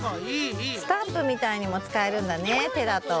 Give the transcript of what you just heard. スタンプみたいにもつかえるんだね手だと。